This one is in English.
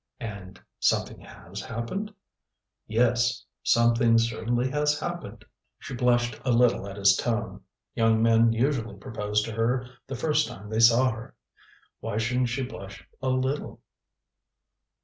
"And something has happened?" "Yes something certainly has happened." She blushed a little at his tone. Young men usually proposed to her the first time they saw her. Why shouldn't she blush a little?